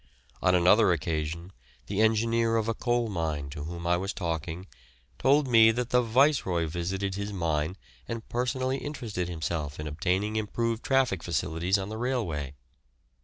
On another occasion, the engineer of a coal mine to whom I was talking told me that the Viceroy visited his mine and personally interested himself in obtaining improved traffic facilities on the railway.